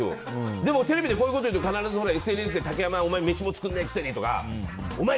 でも、テレビでこういうこと言うと必ず、ＳＮＳで竹山、お前飯も作らねえくせに！とか。